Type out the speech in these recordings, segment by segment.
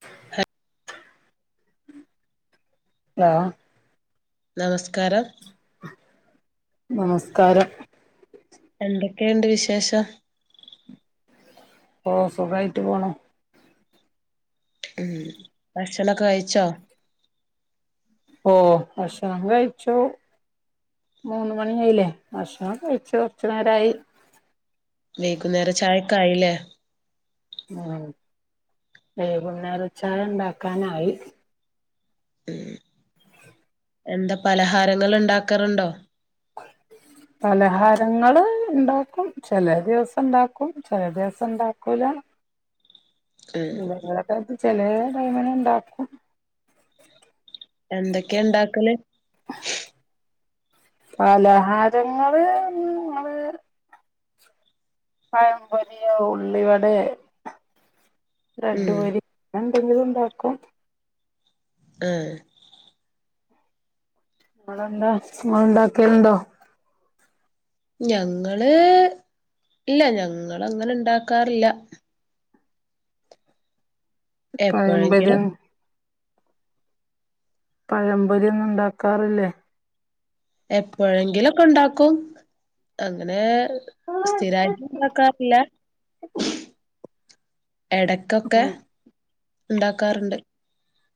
[unintelligible] ആഹ് നമസ്കാരം. നമസ്കാരം. എന്തൊക്കേണ്ട് വിശേഷം? ഓഹ് സുഖായിട്ട് പോണൂ. ഉം ഭക്ഷണെക്കെ കഴിച്ചോ? ഓഹ് ഭക്ഷണം കഴിച്ചു. മൂന്ന് മണിയായില്ലേ ഭഷണൊക്കെ കഴിച്ചു. കൊർച്ച് നേരായി. വൈകുംന്നേര ചായക്ക ആയില്ലേ. ഉം വൈകുന്നേരച്ചായണ്ടാക്കാനായി. ഉം എന്താ പലഹാരങ്ങള് ഇണ്ടാക്കറ്ണ്ടോ? പലഹാരങ്ങള് ഇണ്ടാക്കും. ചെല ദിവസം ഇണ്ടാക്കും ചെല ദിവസംണ്ടാക്കൂല. ഉം എന്തെങ്കിലൊക്കെ ചെലേ ടൈമിന് ണ്ടാക്കും. എന്തൊക്കെ ഇണ്ടാക്കല്. പലഹാരങ്ങള് ങ്ങള്. പഴംപൊരിയോ ഉള്ളിവടേ ബ്രഡ് ഉം പൊരി ങ്ങനെന്തെങ്കിലുംണ്ടാക്കും. ഏഹ് ഇങ്ങളന്താ ഇങ്ങൾ ണ്ടാക്കൽണ്ടോ? ഞങ്ങള് ഇല്ല ഞങ്ങള് അങ്ങനെ ഇണ്ടാക്കാർല്ല. എപ്പോഴെങ്കിലും പയംപൊരിം. പഴംമ്പൊരി ഒന്നും ഇണ്ടാക്കാറില്ലേ. എപ്പോഴെങ്കിലുംക്കെ ഉണ്ടാക്കും. അങ്ങനെ സ്ഥിരായിട്ട് ഇണ്ടാക്കാറില്ല. എടക്കൊക്കെ ഉം ഇണ്ടാക്കാറ്ണ്ട്.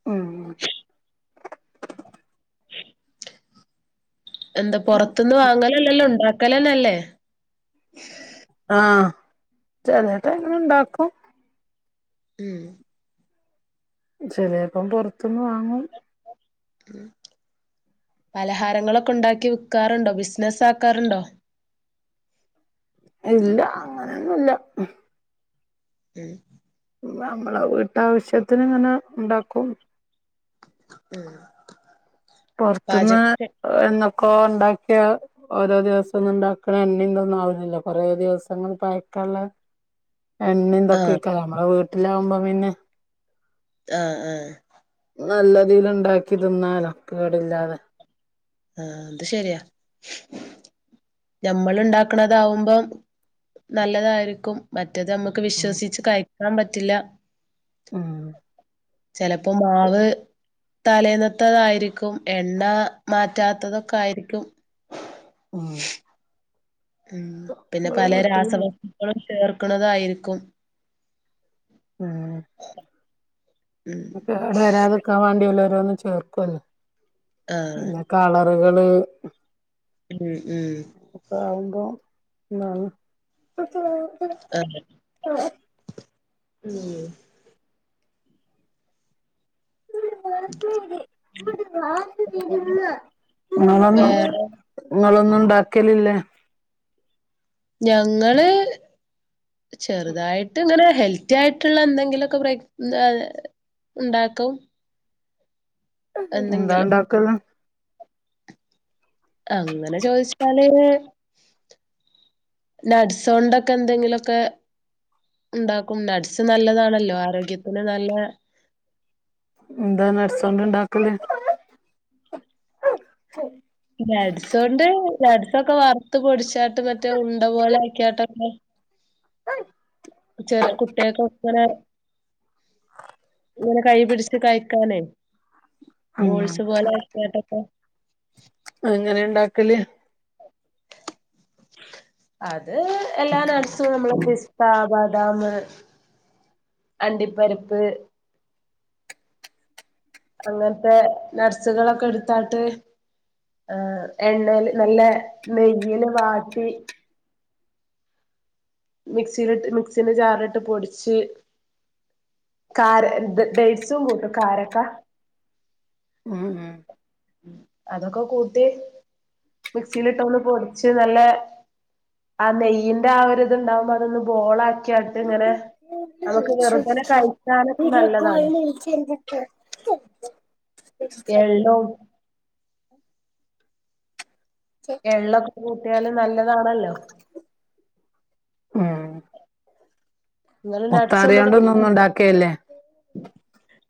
ഉം [inaudible] എന്താ പുറത്തുനിന്ന് വാങ്ങല് അല്ലല്ലോ ഉണ്ടാക്കല്ന്നെ അല്ലേ? ആഹ ചില ടൈമിൽ ഉണ്ടാക്കും. ഉം ചെല്ലേപ്പം പുറത്തുന്ന് വാങ്ങും. പലഹാരങ്ങളൊക്കെ ഉണ്ടാക്കി വിക്കാറുണ്ടോ ബിസിനസ് ആക്കാറുണ്ടോ? ഇല്ല അങ്ങനെയൊന്നുംല്ല. ഉം നമ്മളെ വീട്ടാവശ്യത്തിന് ഇങ്ങനെ ഉണ്ടാക്കും. ഉം പുറത്തുന്ന് എന്നൊക്കോ ഉണ്ടാക്കിയ. ഓരോ ദിവസം ഒന്നും ഉണ്ടാക്കണ എണ്ണ ഒന്നും ആവില്ലല്ല കൊറേ ദിവസങ്ങ പയക്കള്ള. [inaudible] എണ്ണ ആഹ് എന്തൊക്കെക്കാരം നമ്മടെ വീട്ടിലാകുമ്പോം പിന്നെ ആഹ ആഹ നല്ലതിൽ ഉണ്ടാക്കി തിന്നാലോ കേടില്ലാതെ ആഹ അത് ശരിയാ നമ്മൾ ഉണ്ടാക്ക്ണതാവുമ്പം നല്ലതായിരിക്കും മറ്റെത് നമ്മുക്ക് ഉം വിശ്വസിച്ച് ക തിന്നാൻ പറ്റില്ല ഉം ചിലപ്പോ മാവ്. തലേന്നാത്തതായിരിക്കും. എണ്ണ മാറ്റാത്തതൊക്കെ ആയിരിക്കും. ആഹാ ഉം പിന്നെ പല വീട്ടില് രാസവസ്തുക്കളും ചേർക്കുന്നതായിരിക്കും. ആഹ് ഉം കേട് വരാതിരിക്കാൻ വേണ്ടി അവർ ഓരോന്ന് ചേർക്കൊലോ? ആഹ് പിന്നെ കളറുകള്. ഉം ഉം ആവുമ്പോം എന്നാണ്. ആഹ് ആഹ് ഉം [unintelligible] വേറെ നിങ്ങളൊന്നും ഉണ്ടാക്കിയലില്ല. ഞങ്ങള്. ചെറുതായിട്ട് ഇങ്ങനെ ഹെൽത്തി ആയിട്ടുള്ള എന്തെങ്കിലുമൊക്കെ പ്ര ഉണ്ടാക്കും. എന്താ എന്തെങ്കിലും ഇണ്ടാക്കല്ല്. അങ്ങനെ ചോദിച്ചാല്. നട്ട്സോണ്ടൊക്കെ എന്തെങ്കിലുമൊക്കെ ഉണ്ടാക്കും നട്ട്സ് നല്ലതാണല്ലോ ആരോഗ്യത്തിന് നല്ല എന്താ നട്ട്സൊണ്ട് ഇണ്ടാക്കല്. നട്ട്സ്സൊക്കെ വറുത്ത് പൊടിച്ചാട്ട് മറ്റേ ഉണ്ട പോലെ ആക്കിയാട്ടൊക്കെ. ആഹ് ചെറ കുട്ടികൊക്കെ ഇങ്ങനെ ഇങ്ങനെ കൈ പിടിച്ച് കഴിക്കാനേ ഉം ബോൾസ് പോലെ ആക്കിങ്ങട്ഒകൊ. അങ്ങനെ ഉണ്ടാക്കല്. അത് എല്ലാ നട്ട്സും നമ്മള് പിസ്ത ബാദാം അണ്ടിപ്പരുപ്പ് അങ്ങനത്തെ നട്ട്സുകളൊക്കെ എടുത്തട്ട് ആഹ് എണ്ണൽ നല്ല നെയ്യൽ വാട്ടി മിക്സിയിലി മിക്സിന്റെ ജാറിൽ ഇട്ട് പൊടിച്ച് കാര ഡെയ്റ്റ്സും കൂട്ടും കാരക്ക ഉം ഉം അതൊക്കെ കൂട്ടി മിക്സിയിലിട്ടൊന്ന് പൊഡിച്ച് നല്ല ആ നെയ്യിന്റെ ആ ഒരുരി ഇത്ണ്ടാവുമ്പോ അതൊന്ന് ബോള ആാക്കിയായിട്ട് ഇങ്ങനെ അതൊക്ക് വെറുതനെ കഴിക്കാനൊക്കെ നല്ലതാണ് [unintelligible] [unintelligible] എള്ളൊക്കെ കൂട്ടിയല് നല്ലതാണല്ലോ ഉം ഇങ്ങനെ [unintelligible] ഒന്നും കഴിക്ക മുത്താറിയോണ്ടൊന്നും ഉണ്ടാക്കിയല്ലേ [inaudible]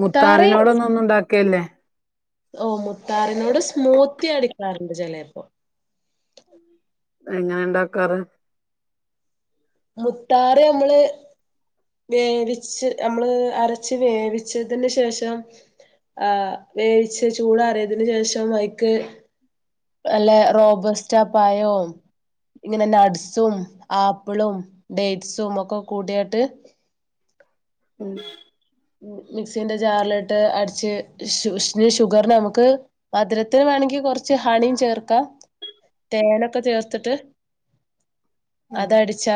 മുത്താറിനോട ഒന്ന ഒന്ന ഉണ്ടാക്കിയല്ലേ ഓ മുത്താറിനോട് സ്മൂത്തി അടിക്കാറുണ്ട് ചിലപ്പോ എങ്ങനെ ഉണ്ടാക്കാറ് മുത്താറെ നമ്മള് വേവിച്ച് നമ്മള് അരച്ച് വേവിച്ചതിന് ശേഷം ആഹ് വേവിച്ച് ചൂട് ആറിയത്തിന്ന് ശേഷം [unintelligible] അല്ലെ റോബർസ്റ്റപ്പായവും ഇങ്ങനെ നട്ട്സും ആപ്പിളും ഡേറ്റ്സും ഒക്കെ കൂട്ടിയായിട്ട് ഉം മിക്സിന്റെ ജാറിലിട്ട് അടിച്ച് ഷുഗറി നമുക്ക് മധുരത്തിന് വേണമെങ്കി കുറച്ച് ഹണിയും ചേർക്കാം തേനൊക്കെ തീർത്തിട്ട് അതടിച്ചാ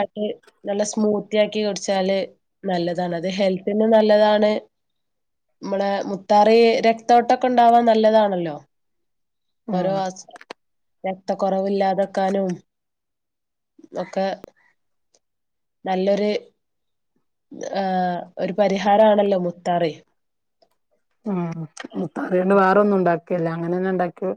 നല്ല സ്മൂത്തിയാക്കി കുടിച്ചാല് നല്ലതാണ്ത് ഹെൽ നല്ലതാണ് നമ്മളെ മുത്താറി രക്തോട്ടൊക്കെ ഉണ്ടാവാൻ നല്ലതാണല്ലോ ഓരോ [unintelligible] രക്ത കുറവില്ലാതാക്കാനും ഒക്കെ നല്ലൊരു ആഹ് ഒരു പരിഹാര ആണല്ലോ മുത്താറെ ഉം മത്ത അറിയാണ്ട് വേറെ ഒന്നും ഉണ്ടാക്കിയല്ലേ അങ്ങനെ തന്നെ ഉണ്ടാക്ക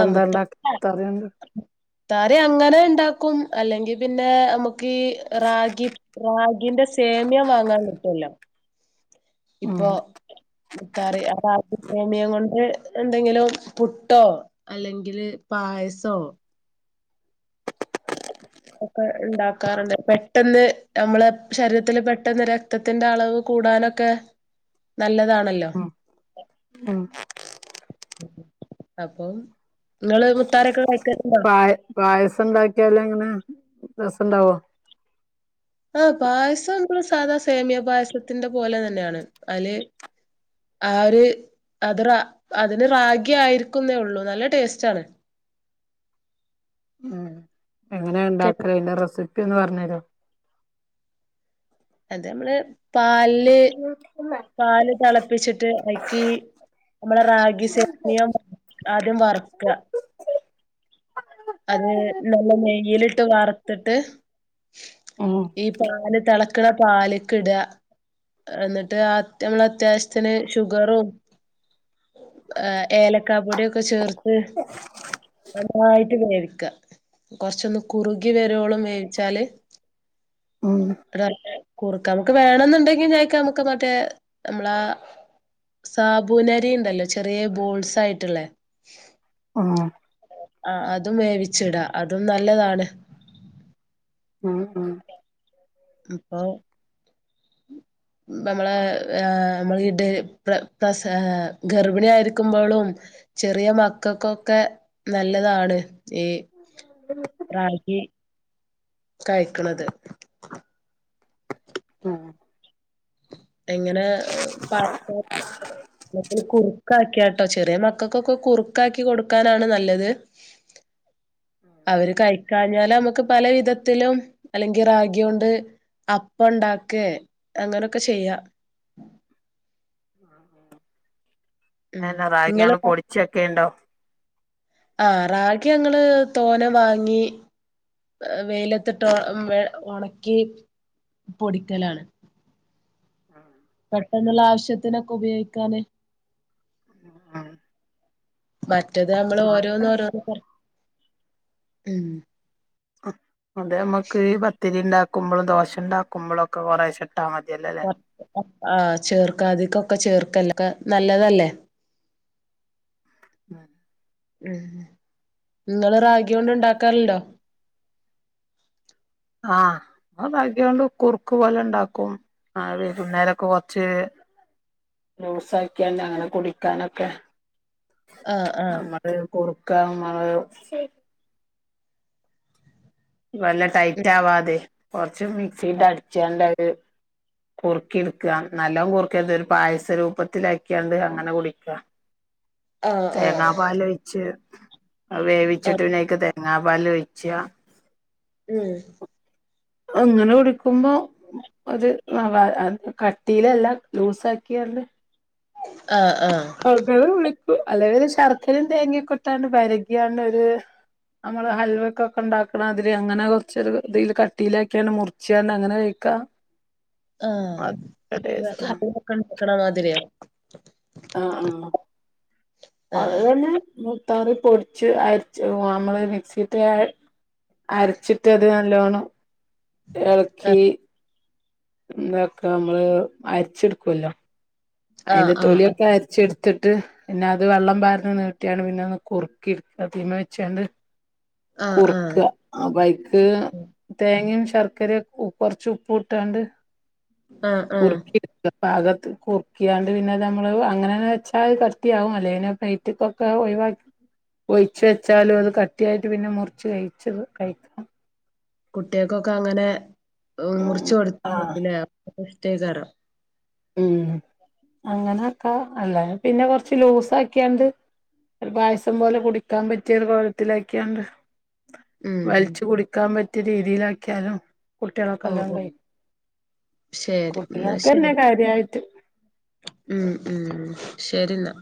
ആഹ് മുത്ത [unintelligible] ത്താര അങ്ങനെ ഉണ്ടാക്കും അല്ലെങ്കി പിന്നെ നമുക്ക് ഈ റാഗി റാഗിന്റെ സേമ്യം വാങ്ങാൻ കിട്ടുമല്ലോ ഉം ഇപ്പൊ മുത്താറി അത ഭമിയം കൊണ്ട് എന്തെങ്കിലും പുട്ടോ അല്ലെങ്കില് പായസോ ഒക്കെ ഉണ്ടാക്കാറുണ്ട് പെട്ടെന്ന് നമ്മള് ശരീരത്തിൽ പെട്ടെന്ന് രക്തത്തിന്റെ അളവ് കൂടാനൊക്കെ ഒക്കെ നല്ലതാണല്ലോ ഉം ഉം അപ്പം നിങ്ങള് മുത്താാരൊക്കെ കഴിക്ക പ പായസം ഉണ്ടാക്കിയാലും അങ്ങനെ രസുണ്ടാവോ ആഹ് പായസം നമ്മള് സാധാ സേമിയ പായസത്തിന്റെ പോലെ തന്നെയാണ് അല് ആഹ് ഒരു അത് റ അതിന് റാഗി ആയിരിക്കുന്നേ ഉള്ളു നല്ല ടേസ്റ്റ് ആണ് ഉ എങ്ങനെയ ഉണ്ടാക്കല് അതിന്റെ റെസിപ്പി ഒന്ന് പറഞ്ഞ് തരോ അത് നമ്മള് പല് പാല് തിളപ്പിച്ചിട്ട് അക്കി നമ്മളെ റാഗി സേമിയം ആദ്യം വറക്കുക അത് നല്ല നെയ്യ് ലിട്ട് വറത്തിട്ട് ആഹ് ഈ പാല് തിളക്കണ പാലക്ക് ഇട എന്നിട്ട് നമ്മൾ അത്യാവശ്യത്തിന് ഷുഗറും ഏ ഏലക്കാ പൊടിയൊക്കെ ചേർത്ത് നന്നായി ട്ട് വേവിക്ക കുറച്ചൊന്ന് കുറുകി വരുവോളം വേവിച്ചാല് ഉ കുറക്ക നമുക്ക് വേണെന്നുണ്ടെങ്കി ഇതക്ക് നമ്മക്ക് മറ്റേ നമ്മളാ സാബൂനരി ഉണ്ടല്ലോ ചെറിയ ബോൾസ് ആയിട്ടുള്ളേ ആഹ് ആ ഹ് അതും വേവിച്ചിടാ അതും നല്ലതാണ് ഉം ഉം അപ്പോ നമ്മളെ നമ്മൾ ഇട് പ്രസ ഗർഭിണി ആയിരിക്കുമ്പോളും ചെറിയ മക്കക്കൊക്കെ നല്ലതാണ് ഈ ഉ റാഗി കഴിക്കണത് ആഹ് എങ്ങനെ വാട്ട് കുറുക്കാക്കിയാട്ടോ ചെറിയ മക്കൾക്കൊക്കെ കുറുക്ക ക്കാക്കി കൊടുക്കാനാണ് നല്ലത് അവര് കഴിക്കാഞ്ഞാല് നമ്മുക്ക് പല വിധത്തിലും അല്ലെങ്കി റാഗി കൊണ്ട് അപ്പ ഉണ്ടാക്കേ അങ്ങനൊക്കെ ചെയ്യാം ഉം എ എന്ന റാഗിങ്ങള് നിങ്ങള് പൊടിച്ചൊക്കെ ഉണ്ടോ ആഹ് റാഗി ഞങ്ങള് തോനെ വാങ്ങി വെയിലത്തിട്ട് ഉണക്കി പൊടിക്കലാണ് ആം പെട്ടെന്നുള്ള ആവശ്യത്തിനൊക്കെ ഉപയോഗിക്കാന് ആഹ് മറ്റത് നമ്മള് ഓരോന്ന് ഓരോന്ന് പർക്കി ഉം അതെ നമുക്ക് ഈ പത്തിരി ഉണ്ടാക്കുമ്പോഴും ദോശ ഉണ്ടാക്കുമ്പോഴും ഒക്കെ കൊറെ ശെ ഇട്ടാ മതിയല്ലേ ആ ഹ്ചേർക്കാതിക്കൊക്കെ ചേർക്കല്ലക്കെ നല്ലതല്ലേ ന ഉം നിങ്ങള് റാഗി കൊണ്ട് ഉണ്ടാക്കാലുണ്ടോ ആഹ് ഞങ്ങ റാഗികൊണ്ട് കുറുക്ക് പോലെ ഉണ്ടാക്കും ആവി വരും അന്നേരം കാറച്ച് ലൂസാക്കിയണ്ട് അങ്ങനെ കുടിക്കാനൊക്കെ ആഹ് ആഹ് കുറക്കാ നമ്മള് വല്ല ടൈറ്റാവാതെ കൊർച്ച് മിക്സീട്ട് അട്ച്ചാണ്ടത് കുർക്കിട്ക്കാ നല്ലോം കുർക്കെര്ത് ഒര് പായസ രൂപത്തിലാക്ക്യാണ്ട് അങ്ങനെ കുടിക്കാ ആഹ് ആഹ് തേങ്ങാ ആഹ് പാലൊയ്ച്ച് വേവിച്ചിട്ട് പിന്നയ്ക്ക് തേങ്ങാ പാലൊയ്ച്ചാ ഉം അങ്ങന കുടിക്കുമ്പം ഒര് അഹ് വ കട്ടീലല്ലാ ലൂസാക്ക്യാണ്ട് ആഹ് ആഹ് അങ്ങനെ വിളിക്കു അല്ലെ പിന്നെ ശർക്കരിം തേങ്ങ്യൊക്ക്ട്ടാണ്ട് വെരക്യാണ്ടൊര് നമ്മള് ഹൽവക്കാെക്കെണ്ടാക്ക്ണാത്‌രി അങ്ങനെ കുർച്ചൊരു തീല് കട്ടീലാക്ക്യാണ്ട് മുർച്ചാണ്ട് അങ്ങെനെ കയ്ക്കാ ആഹ് ഹ ടേസ്റ്റാ ഹൽവാെക്കെണ്ടാക്ക്ണ മാതിര്യോ ആഹ് ആഹ് അത് ആഹ് ഇതന്നെ [unintelligible] ത്താറി പൊട്ച്ച് അര്ച്ച് ഒഹ് അമ്മെള് മിക്സീട്ട്കാ അരച്ച്ട്ട് അത് നല്ലോണം എൾക്കി താക്ക അമ്മള് അര്ച്ചെട്ക്ക്വല്ലോ ആഹ് അയ്ന്റെ ആഹ് ആഹ് തൊല്യൊക്കെ അര്ച്ചെട് ത്ത്ട്ട് പിന്നെ അത് വെള്ളം പാര്ണെ നീട്ട്യാണ് പിന്നെ ഒന്ന് കുർക്കി തീമ വെച്ച് ആണ്ട് കുർക്കാ ആഹ് അപ്പയ്ക്ക് തേങ്ങിം ശർക്കരിം ഉ കൊർച്ച് ഉപ്പുട്ടാണ്ട് ആഹ് ആഹ് കുർക്കിട്ക്കാ പാകത്ത് കുർ ക്ക്യാണ്ട് പിന്നെ അത് അമ്മള് അങ്ങെനെ വെച്ചാൽ കട്ടിയാവും അല്ലേ പിന്നെ പ്ലെയ്റ്റ്ക്കൊക്കെ ഒഴ്‌വാ ഒയ്ച്ച് വെച്ചാലും അത് കട്ടിയായിട്ട് പിന്നെ മുർച്ച് കയ്ച്ചത് കഴിക്കാം കുട്ട്യേക്കൊക്ക അങ്ങെനെ ഉം മുർച്ച് കൊട് ആഹ് [unintelligible] ഇഷ്ടെയ്ക്കാരം ഉം അങ്ങനൊക്കാ അന്നേരം പിന്നെ കൊർച്ച് ലൂസാക്ക്യാണ്ട് ഒര് പായസം പോലെ കുടിക്കാം പറ്റിയാെര് കോലത്ത്ലാക്ക്യാണ്ട് ഉം വൽച്ച് കുടിക്കാം പറ്റ്യെ രീതീലാക്ക്യാലും ഓ കുട്ട്യേളൊക്കെല്ലാേണം കഴി ശരി എന്നാ കുട്ടികൾക്ക്ന്നെ ശരി കാര്യായ്ട്ട് ഉം ഉം ഉം ശെരിന്നാ